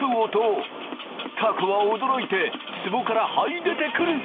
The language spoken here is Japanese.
たこは驚いてつぼからはい出てくる。